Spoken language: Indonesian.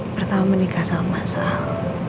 pertama menikah sama masal